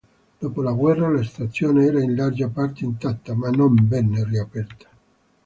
Dopo la guerra la stazione era in larga parte intatta, ma non venne riaperta.